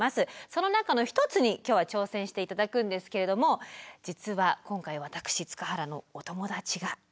その中の一つに今日は挑戦して頂くんですけれども実は今回私塚原のお友達が手伝ってくれました。